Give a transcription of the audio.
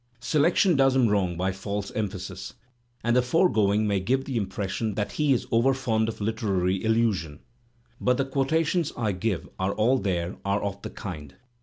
Selection does him wrong by false emphasis, and the foregoing may give the impression that he is overfond of literary allusion. But the quotations I give are all there are of the kind.